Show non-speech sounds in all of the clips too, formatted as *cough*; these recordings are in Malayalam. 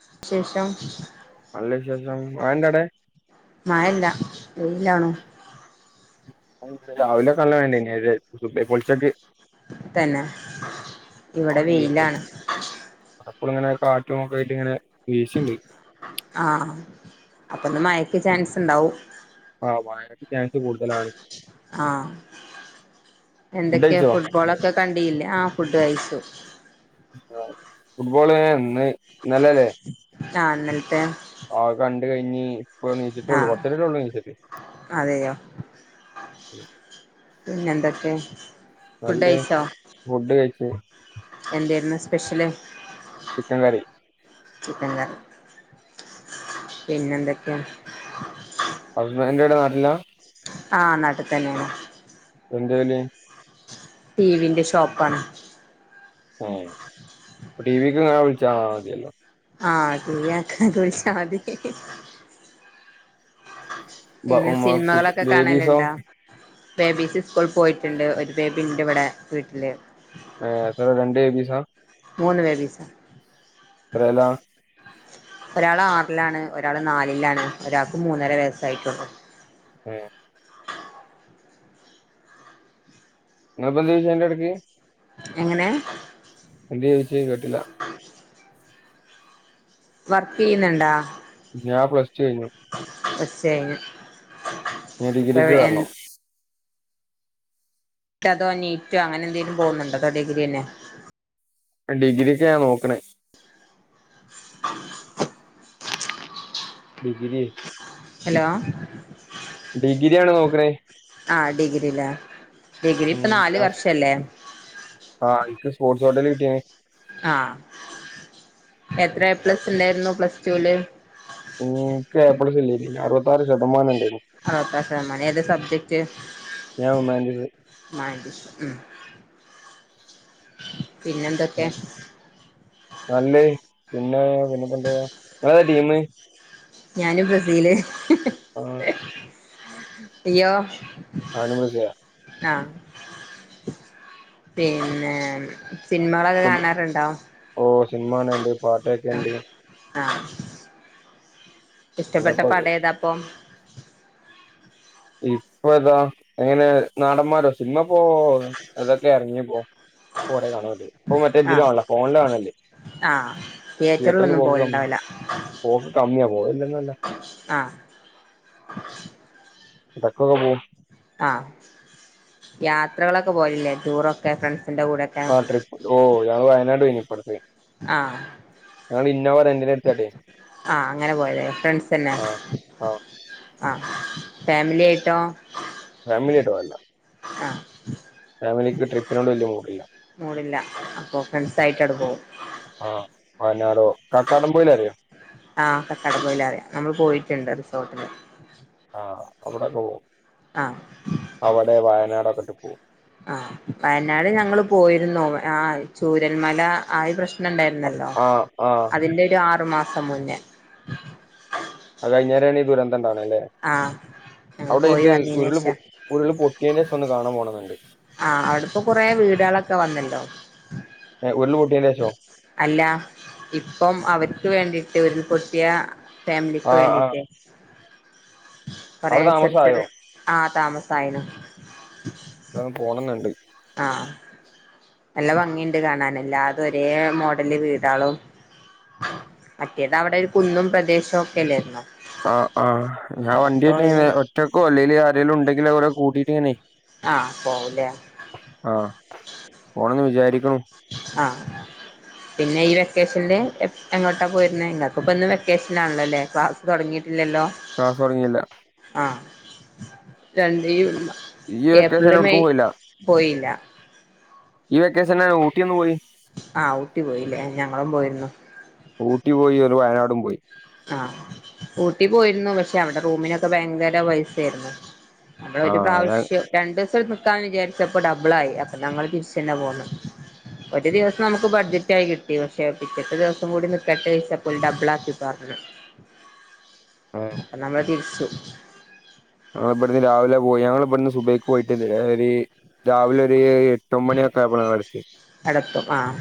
*unintelligible* *unintelligible* ആന്റെടെ മഴല്ല വേയിലാണോ രാവിലെ കള്ള വേണ്ടേ പൊളിച്ചക്ക് തന്നെ ഇവിടെ വെയിലാണ് അപ്പളിങ്ങനെ കാറ്റും ഒക്കെ ആയിട്ട് ഇങ്ങനെ വീശണ്ട് ആഹ അപ്പൊ ഒന്ന് മയക്ക് ചാൻസ് ഉണ്ടാവും ആ് വ ാൻസ് കൂടുതലാണ് ആഹ ഫുഡ് എന്തൊക്കെയ കഴിച്ചോ ഫുട്ബോളൊക്കെ കണ്ടിയില്ലേ ആ ഫുഡ് കഴിച്ചു ഫുട്ബോള് ഇന്ന് നല്ലല്ലേ ആഹന്നൽത്തെ ആ കണ്ട കഴിഞ്ഞഞ് ീച്ചിട്ടള്ളൂ ആഹ് കുറച്ചരിട്ടൊള്ളൂച്ചിട്ട അതെയോ പിന്നെ എന്തൊക്കെ ഫുഡ് നല്ലേ കഴിച്ചോ ഫുഡ് കഴിച്ച എന്തായിരുന്നു സ്പെഷ്യല് ചിക്കൻ കറി ചിക്കൻഞ്ഞൽ പിന്നെന്തൊക്കെയ എന്റെറെ ഇവിടെ നാട്ടിലാ ആഹ നാട്ടിൽ തന്നെയാണ് എന്തല ടി വിന്റെ ഷോപ്പ ആാണ് ആ ടി വിക്ക്ങ്ങാൻ വിളിച്ച മതിയല്ലോ ആഹ തീയാക്കാഷാതി പിങ്ങെ സിനിമകളൊക്കെ ബേബീസോ കാണലുണ്ടോ ബേബിസ് സ്കൂളി പോയിട്ടുണ്ട് ഒരു ബേബി ഉണ്ട് ഇവിടെ വീട്ടില് എ അപ്പ രണ്ടു ബേബിസാ മൂന്ന് ബേബിസ് *unintelligible* ഒരാൾ ആറിലാണ് ഒരാള് നാലിലാണ് ഒരാൾക്ക് മൂന്നര വയസായിട്ടുള്ളു ആ *inaudible* എങ്ങനെ എന്ത് ചോയിച്ചേ കേട്ടില്ല വർക്ക് ചെയ്യുന്നുണ്ടോ ഞാൻ പ്ലസ്ടു കഴിഞ്ഞു *inaudible* ഇനി ഡിഗ്രിക്ക് കേറണം ഇപ്പ നീറ്റോ അങ്ങനെ എന്തെങ്കലും പോകുന്നുണ്ടോട്ടോ അതോ ഡിഗ്രിതന്നെ ഡിഗ്രിയ്ക് ഞാൻ നോക്കണേ *unintelligible* ഡിഗ്രി ഹലോ ഡിഗ്രിയാണ് നോക്കണേ ആ ഡിഗ്രില്ലേ ഡിഗ്രി ഉം ഇപ്പൊ നാല് ഞാൻ വർഷല്ലേ ആ *unintelligible* ആ എത്ര എ പ്ലസ് ഉണ്ടായിരുന്നു പ്ലസ്ടുല് മ്മ് എനിക് എ പ്ലസ് അറുപത്താറ് ശതമാനം ഉണ്ട് അറുപത്താറ് ശതമാനം ഏതാ സബ്ജെക്റ്റ്‌ ഞാൻ ഹ്യൂമാനിറ്റീസ് ഉം പിന്നെ എന്തൊക്കെ നല്ലേ പിന്നെ പിന്നെ ഇപ്പാന്താ നിങ്ങ ഏതാ ടീം ഞാന് ബ്രസീല് ആ ഇയോ ഞാനും ബ്രസീല്ല പിന്നെ സിനിമകളൊക്കെ കാണാറുണ്ടോ സിനിമകാണാറുണ്ട് പാട്ട് ആ കേൾക്കായുണ്ട് ആ ഇഷ്ടപ്പെട്ട ഇങ്ങത്തൊക്കെ പടം ഏതാ അപ്പം ഇപ്പൊ താ എങ്ങനെ നാടന്മാരോ സിനിമ പോ അതൊക്കെ ഇറങ്ങിപ്പോ കുറെ കാണല്ല ഇപ്പൊ ആ മറ്റേെതിലും ആണല്ലോ ഫോണില് കാണല്ല് ആ തിയേറ്ററിൽ തിയേറ്ററിലൊന്നും പോക്ക് കമ്മി പോവലുണ്ടാവില്ല പോക്ക് കമ്മിയാ പോവുല്ലന്നല്ല ആ *unintelligible* ആ യാത്രകളൊക്കെ പോയില്ലേ ടൂറൊക്കെ ഫ്രണ്ട് ആ ട്രിപ്പ് ഓ ഞാന് വയനാട് പോയിനി ഇപ്പഴത്തെ ആ റെന്റിന് എടുത്താട്ടെ ആ അങ്ങനെ പോയതെ ഫ്രണ്ട്സ് തന്നെ ആ ആ ആ ഫാമിലി ആയിട്ടോ ഫാമിലിയിട്ടാല്ല ആ ഫാമിലിക്ക് ട്രിപ്പിനോട് വലിയ മൂഡില്ല മൂഡില്ല അപ്പൊ ഫ്രണ്ട്സ്‌ ആയിട്ട് അവിടെ പോകും ആ പതിനാറോ കാക്കാടൻ പൊയിലറിയോ ആ കക്കട പൊയില അറിയാം നമ്മൾ പോയിട്ടുണ്ട് റിസോർട്ടിൽ ആ അവിടെ പോവും അവിടെ വയനാടൊക്കെട്ട് പോവും ആഹ വയനാട് ഞങ്ങള് പോയിരുന്ന ആ ചൂരന്മല ആ പ്രശ്നം ഇണ്ടായിരുന്നല്ലോ ആ ആ അതിന്റെ ഒരു ആറു മാസം മുന്നേ അത്കഴിഞ്ഞേരണ ഈദുരന്തംണ്ടണ അല്ലേ ആഹ് ഞങ്ങള് അവിടെ പോയി ഇത് ഉരുള് വന്നീനേഷം ഉരുള് പൊട്ടിയന്റെ ഒന്ന് കാണാൻ പോണന്നണ്ട് ആ് അവിടെപ്പോകുറെ വീടുകളൊക്കെ വന്നല്ലോ ഉരുള പൊട്ടിയന്റെ ശേ ശോ അല്ല ഇപ്പം അവർക്ക് വേണ്ടിയിട്ട് ഒരുൽ പൊട്ടിയ ഫാമിലിക്ക ആ ആ വേണ്ടിട്ട് അവിടെ താമസായോ കൊറെച്ചരിച്ചര് ആ താമസായിന അവിടെ ഒന്ന് പോണംന്നുണ്ട് ആഹ നല്ല ഭംഗിയുണ്ട് കാണാന് എല്ലാ ഒരേ മോഡല് വീടാളും മറ്റേത അവിടെ ഒരു കുന്നും പ്രദേശവും ഒക്കെല്ലായിുന്നോ ആ ആ ഞാൻ വണ്ടിട്ടങ്ങനെ ഒഴിവായി ഒറ്റയ്ക്കോ അല്ലെങ്കല് ആരെങ്കിലും ഉണ്ടെങ്കിലവരെകൂട്ടീട്ട് ഇങ്ങനെ ആഹ പോവലേ ആഹ് പോണംന്ന് വിചാരിക്കണു ആഹ പിന്നെ ഈ വെക്കേഷല്ല എങ്ങോട്ടാ പോയിരുന്ന ഇങ്ങൾക്ക് ഇപ്പ ഒന്ന് വെക്കേഷനാണല്ലോല്ലേ ക്ലാസ് തുടങ്ങിട്ട് ഇല്ലല്ലോ ക്ലാസ് തൊടങ്ങിയില്ല ആഹ രണ്ട ഇ ഈ വെക്കേഷൻ ഏപ്രില് എവിട്ക്കും മെയ് പോയില്ല പോയില്ല ഈ വെക്കേഷന് ഊട്ടിയൊന്ന് പോയി ആഹ് ഊട്ടി പോയില്ലേ ഞങ്ങളും പോയിരുന്നു ഊട്ടി പോയി ഒരു വയനാടും പോയി ആഹ ഊട്ടി പോയിരുന്നു പക്ഷെ അവിടെ റൂമിനൊക്കെ ഭയങ്കര പൈസ ആയിരുന്നു നമ്മള് ഒരു ആഹ് ഞാൻ പ്രാവശ്യം രണ്ട് ക്കാന്ന് വിചാരിച്ചപ്പോ ഡബിള ആയി അപ്പൊ ഞങ്ങളതിരിച്ച് തന്നെ പോന്നു ഒരു ദിവസം നമുക്ക് ബഡ്ജറ്റ ആയി കിട്ടി പക്ഷെ പിറ്റത്തെ ദിവസം കൂടി നിക്കട്ട് പ ഡബിൾ ആക്കി അപ്പ നമ്മളെ തിരിച്ചു ആഹ് ഇവിടുന്ന് രാവിലെ പോയി ഞങ്ങലിവിടന്ന് സുബൈയ്ക്ക് പോയിട്ട് ഒരു രാവിലെ ഒരു എ ട്ടൊമ്പണിയൊക്കെ ആയപോലാന്ന് ആടെത്തിയെ അടത്തും ആഹ്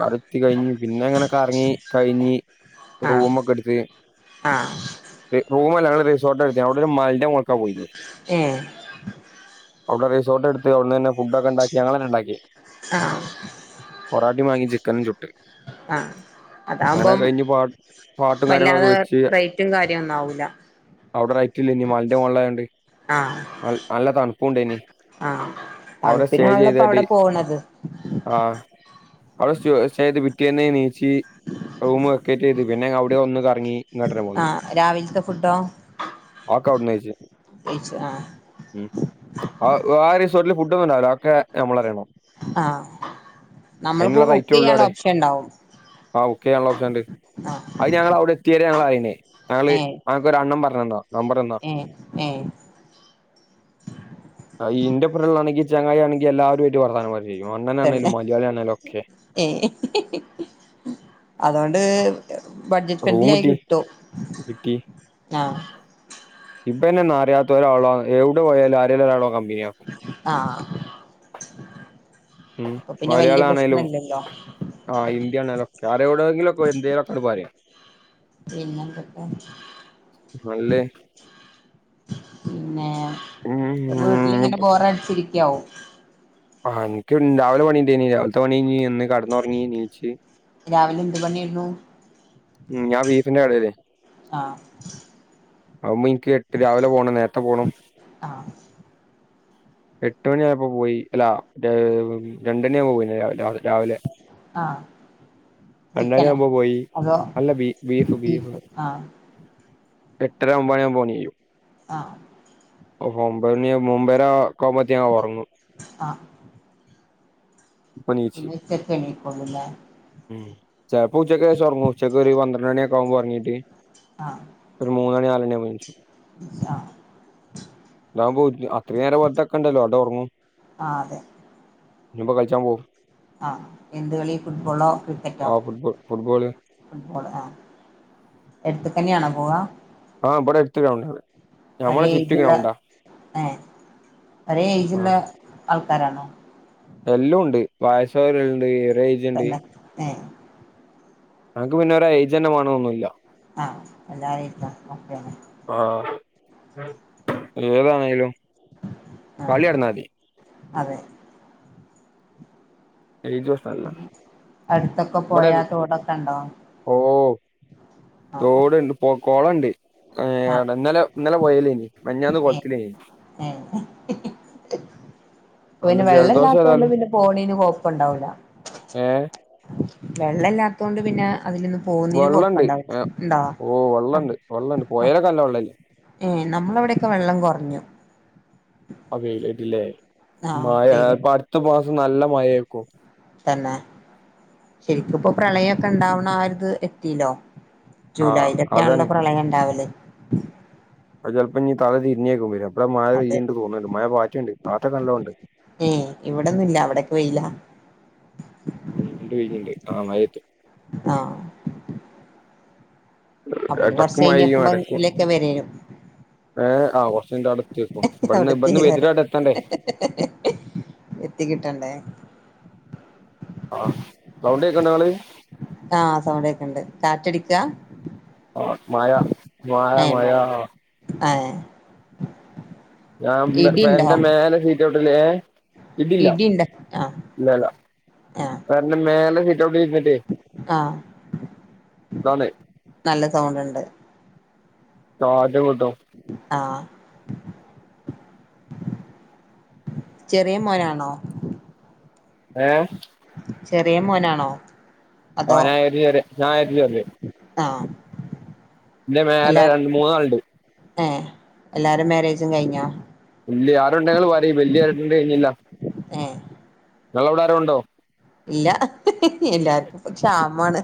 ആട എത്തി കഴിഞ്ഞ് പിന്നെ ഇങ്ങനെ കറങ്ങി കഴിഞ്ഞ് ആഹ് റൂമൊക്കെ എടുത്ത് ആഹ് റൂമ ഞങ്ങള് റിസോർട്ട് *unintelligible* അവിടെ ഒരു മലെന്റെ മോൾക്കാ പോയിന് ഏഹ് അവിടെ റിസോർട്ട് എടുത്ത് അവിടുന്ന് തന്നെ ഫുഡ് ഒക്കെ ഉണ്ടാക്കി ഞങ്ങളന്നെ ഇണ്ടാക്കി ആഹ് പൊറാ ചിക്കനും ചു ആഹ് അതാവുമ്പം കഴിഞ്ഞ് പാ പാട്ടും കാര്യങ്ങളൊക്കെ വല്ലാതെ വെച്ച് റേറ്റും കാര്യം ഒന്നും ആവൂല അവിടെ റയിറ്റും ഇല്ല മലന്റെ മുകളിലായോണ്ട് ആഹ് നൽ നല്ല തണുപ്പുംഇണ്ടായിന് ആഹ് അവിടെ സ്റ്റേ തണുപ്പിനാണല്ലോ ഇപ്പ ചെയ്തട്ട് അവിടെ പോണത് ആഹ് അവിടെ *unintelligible* വിട്ടിയ *unintelligible* *unintelligible* റൂം വെക്കേറ്റ്ചെയ്തു പിന്നെ അവിടെ ഒന്ന് കറങ്ങി ഇങ്ങോട്ടന്ന പോന്ന് ആഹ് രാവിലത്തെ ഫുഡോ ആക്കെ അവിടന്ന് കയ്ച്ച് കഴിച്ചു ആഹ് ഉം ആഹ് ആ റിസോർട്ടിൽ ഫുഡൊന്നും ഉണ്ടാവൂല ഒക്കെ നമ്മൾ അറിയണം ആഹ് നമ്മൾക്ക് അയിനുള്ള കുക്ക് റൈറ്റേ ഉള്ളു ചെയ്യാനുള്ള ആടെ ഓപ്ഷൻ ഉണ്ടാവും ആഹ് കുക്കെയാനുള്ള ഓപ്ഷൻണ്ട് ആഹ് അത് ഞങ്ങള് അവിടെ എത്തിയരെ ഞങ്ങൾ ആയിന് ഞങ്ങള് ഏഹ് ഞങ്ങൾക്കൊരണ്ണൻ പറഞ്ഞന്നെതാ ഏഹ് ഏഹ് നമ്പറന്നതാ ഈ ഇന്റെഒപ്പരം ഉള്ളതാണെങ്കിൽ ചെങ്ങായി ആണെങ്കി എല്ലാവരുആയിട്ട് വർത്താനം പറയും തന്നെ അണ്ണനാണേലും മലയാളി ആണേലും ഒക്കെ ഏഹ് അതൊണ്ട് ബഡ്ജറ്റ് റൂം ഫ്രെന്റിലായി കിട്ടി കിട്ടും ആഹ് ഇപ്പന്നെ എന്ന അറിയാത്ത ഒരാളോ എവിടെ പോയാലും ആരെലും ഒരാളോ *unintelligible* ആഹ് മ് അപ്പൊ പിന്നെ വല്യ മലയാളം ആണേലും പ്രശ്നല്ലല്ലോ ആഹ് ഹിന്ദി ആണേലും ക്കെ ആരവിടെ എന്തെങ്കിലൊക്കെ എന്തേലും ഒക്കെങ്ങട് പറയ പിന്നെന്തൊക്കെ നല്ല പിന്നെ *unintelligible* ഉം വീട്ടിലിങ്ങനെ ബോറടിച്ചിരിക്കാവും ആ നിക്ക് രാവിലെ പണിണ്ടേനി രാവിലത്തെ പണി ഴിഞ്ഞ് വന്ന് കെടന്നുറങ്ങി ണീച്ച് രാവിലെ എന്ത് പണിയാരുന്നു മ് ഞാൻ ബീഫിന്റെ കടേല് ആഹ് ആവുമ്പോ എനിക്ക് എട്ട് രാവിലെ പോണം നേരത്തെ പോണം ആഹ് എട്ട് മണിയായപ്പോ പോയി അല്ല ഏഹ് രണ്ടിന് പോയിണ് രാവ് രാവ് രാവിലെ ആഹ് രണ്ട് ചിക്കനോ മണിയാമ്പോ പോയി അതോ അല്ല ബീ ബീഫ് ബീഫ് എട്ടര ഒമ്പണിയകുമ്പ പണികയ്യും ആഹ് *unintelligible* ഒമ്പണിയാ വുമ്പോ മ്പരാക്കവുമ്പത്തെ ഞാ ഒറങ്ങും ആഹ് ഇപ്പൊ നീച്ച് പിന്നെ ഉച്ചക്കെണിക്കൊന്നൂലാ ഉം ചെലപ്പോ ഉച്ചക്ക് ശേഷം ഒറങ്ങും ഉച്ചക്ക് ഒരു പന്ത്രണ്ട് മണിയൊക്കെ ആവുമ്പോ ഒറങ്ങീട്ട് ആഹ് ഒരു മൂന്നു മണി നാലു മണിയാവുമ്പം എണീച്ചും ആഹ് ഞാൻ പോരില്ല അത്രേം നേരം വെർതെക്കണ്ടല്ലോ ആടെ ഒറങ്ങും ആഹ് അതെ *unintelligible* കളിച്ചാൻ പോവും ആഹ് എന്ത് കളി ഫുട്ബോളോ ക്രിക്കറ്റോ ആ ഫുട്ബോൾ ഫുട്ബോള് ഫുട്ബോള് ആഹ് എടുത്തക്കന്നെയാണോ പോവാ ബിടെ അടുത്ത് ഗ്രൗണ്ടാണ് ഞമ്മളെ ഒരേ ചുറ്റും ഏജിള്ള ഗ്രൗണ്ടാ ഏഹ് ഒരേ ഏജിള്ള ആൾ ക്കാരാണോ എല്ലാം ഒണ്ട് വയസാെയവര് ണ്ട് തന്നെ എ ഞങ്ങക്ക് പിന്നെ ഒരു ഏജ്ന്നെ വേണൊന്നോന്നു ഇല്ല ആ *unintelligible* ആ ഏതാണേലും ആഹ് കളി നടന്നാ മതി അതെ ഏജ് വേസല്ല അടുത്തൊക്കെ പോയാ തോടൊക്കെണ്ടോ ഓ തോടുണ്ട് പോ കൊളണ്ട് ഏ ആഹ് ഇന്നലെ ഇന്നലെ പോയെലേനി മിഞ്ഞാന്ന് ഏഹ് കൊളത്തിലേനി ഏഹ് അതുകൊണ്ട് പിന്നെ വെള്ളം ജലദോഷം ഇല്ലാത്ത കൊണ്ട് ഏതായാലും പിന്നെ പോണേന് കൊയപ്പണ്ടാവൂല ഏ വെള്ളല്ലാത്തൊണ്ട് പിന്നെ അതിലിന്ന് പോന്നീന് വെള്ളണ്ട് കൊഴപ്പുണ്ടാവില്ല ഏ ഉണ്ടോ ഓ ആ വെള്ളണ്ട് വെള്ളണ്ട് ആ പൊയേലൊക്കെ നല്ല വെള്ളല്ലേ ഏ നമ്മളവിടൊക്കെ വെള്ളം കൊറഞ്ഞു അതെ കേട്ടില്ലേ ആഹ് മഴ വെയില് ഇപ്പൊ അടുത്ത മാസം നല്ല മഴയാക്കും തന്നെ ശരിക്കിപ്പോ പ്രളയൊക്കെ ഇണ്ടാവണ ആ ഒരിത് എത്തിലോ ആഹ് ജൂലായിലെക്കെയാണല്ലോ അതാണ് പ്രളയം ഇണ്ടാവല് അത് ചെലപ്പം ഞ്ഞി തല തിരിഞ്ഞായിരിക്കും വര്വ വടെ മഴ അത് പെയ്യണ്ട് തോന്നുണ്ട് മഴ പാറ്റണ്ട് പാറ്റല് നല്ലൊണ്ട് പോയില്ല ഇര്ണ്ട് വരണ് ണ്ട് ആ മഴയത്ത് ആഹ് അപ്പൊ പിന്നെ കൊറച്ച് മഴെയ്യും കഴിഞ്ഞോക്കുമ്പോ എടക്ക് ഇതിലൊക്കെ വരേ നു ഏ ആ കൊറച്ചുകഴിഞ്ഞിട്ടണ്ടേത്തിയേക്കും ഇബ്ട്ന്ന് ഇബ്ട്ന്ന് അവിടെത്തിയേക്കാരം വെലുതട്ട്ത്തണ്ടേ എത്തി കിട്ടണ്ടേ ആഹ് സൗണ്ട് കേക്കുണ്ടോങ്ങള് ആഹ് സൗണ്ടേക്കണ്ട് കാറ്റടിക്കാ ആ മഴ മായ മഴാ ആതേ ഞാൻ എന്റെ മേലെ സിടൗറ്റിൽ ഇതില്ല ഇടിണ്ട ആഹ് ഇല്ലല ആഹ് പെരന്റെ മേലെ ഇവടിരിന്നിട്ടേ ആഹ് നല്ല സൗണ്ട്ണ്ട് ആ അതെ കിട്ടും ആഹ് ചെറിയ മോനാണോ ഹേ ചെറിയ മോനാണോ അതോ ഓനകരുതി ഞാൻ കാർത്തിപറയാ ആ ന്റെ മേലെ രണ്ട് മൂന്നാളുണ്ട് ഏ എല്ലാരും മാരേജും കഴിഞ്ഞോ ഇല്ല്യ ആരുണ്ടെങ്കിൽപറയിം വല്യേട്ടന്റെ കഴിഞ്ഞില്ല ഏഹ് ഇങ്ങളവടെ ആരെണ്ടോ ഇല്ല എല്ലാർക്കുംപ്പോ ക്ഷാമാണ്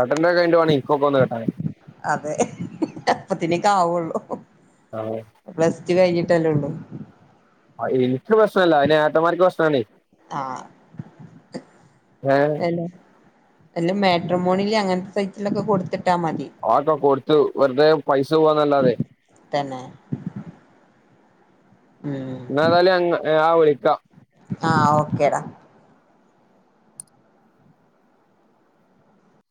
ഏട്ടന്റെ കഴിഞ്ഞിട്ട് വേണം ഇൻക്കൊക്കെ ഒന്ന് കെട്ടാന് അതെ അപ്പത്തിനും ആവുള്ളൂ ആ പ്ലസ് ടു കഴിഞ്ഞിട്ടല്ലേ ഉള്ളൂ അയ് ഇനിക്ക് പ്രശ്നല്ല അയിന് ഏട്ടൻമാർക്ക് പ്രശ്‌നാണേയ് ആഹ് ഏ അതല്ലേ എല്ലമാ ട്രമോണില് അങ്ങനത്തെ സൈറ്റ്ലൊക്കെ കൊടുത്തിട്ട് ആക്കൊ കൊടുത്തു വെറുതേ പൈസ പോവ്വാന്നല്ലാതെ തന്നെ ഉം എന്നതായാലും അങ്ങ് ആ വിളിക്ക ആഹ് ഓക്കേടാ